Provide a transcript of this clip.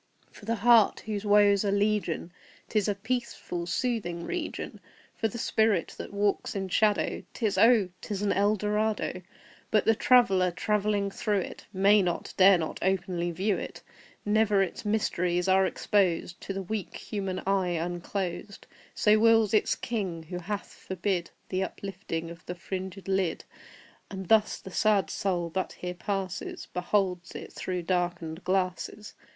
For the heart whose woes are legion 'Tis a peaceful, soothing region For the spirit that walks in shadow 'Tis oh, 'tis an Eldorado! But the traveller, travelling through it, May not dare not openly view it; Never its mysteries are exposed To the weak human eye unclosed; So wills its King, who hath forbid The uplifting of the fringed lid; And thus the sad Soul that here passes Beholds it but through darkened glasses.